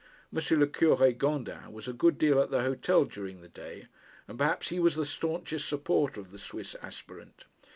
M. le Cure Gondin was a good deal at the hotel during the day, and perhaps he was the staunchest supporter of the Swiss aspirant.